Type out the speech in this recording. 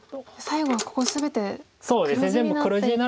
最後はここ全て黒地に。